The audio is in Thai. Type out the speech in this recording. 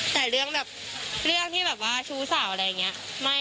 แต่เรื่องแบบเรื่องที่แบบว่าชู้สาวอะไรอย่างนี้